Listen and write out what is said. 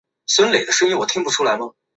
台湾跨县乡道列表列出台湾的跨县乡道。